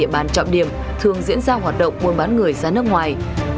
bàn trọng điểm thường diễn ra hoạt động mua bán người ra nước ngoài